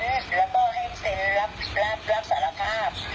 แล้วก็ให้เซ็นรับสารภาพ